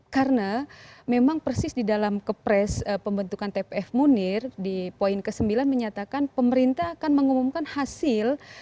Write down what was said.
karena memang persis di dalam kepres pembentukan tpf munir di poin ke sembilan menyatakan pemerintah akan mengumumkan hasil